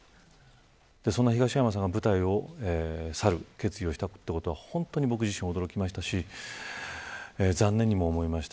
その東山さんの舞台を去る決意をしたということは僕自身も驚きましたし残念にも思いました。